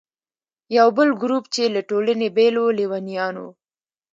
یو بل ګروپ چې له ټولنې بېل و، لیونیان وو.